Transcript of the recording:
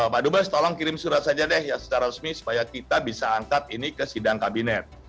pak dubes tolong kirim surat saja deh secara resmi supaya kita bisa angkat ini ke sidang kabinet